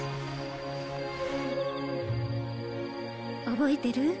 覚えてる？